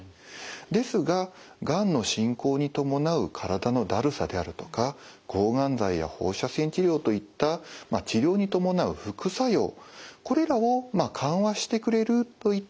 ですががんの進行に伴う体のだるさであるとか抗がん剤や放射線治療といった治療に伴う副作用これらを緩和してくれるといった効果